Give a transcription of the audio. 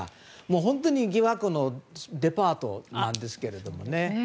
本当に疑惑のデパートなんですけれどもね。